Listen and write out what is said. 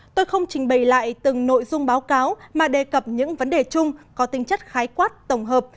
tôi không trình bày lại từng nội dung báo cáo mà đề cập những vấn đề chung có tinh chất khái quát tổng hợp